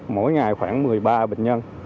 mỗi ngày khoảng một mươi ba bệnh nhân